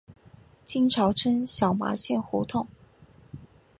清朝称小麻线胡同。